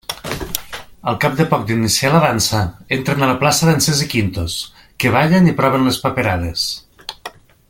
Al cap de poc d'iniciar la dansa entren a la plaça dansers i quintos, que ballen i proven les paperades.